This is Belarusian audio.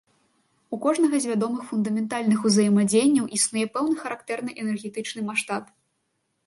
У кожнага з вядомых фундаментальных узаемадзеянняў існуе пэўны характэрны энергетычны маштаб.